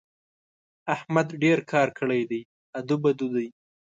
احمد ډېر کار کړی دی؛ ادو بدو دی.